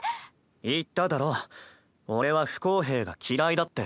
言っただろ俺は不公平が嫌いだって。